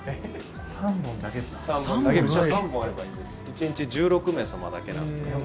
一日１６名様だけなんですね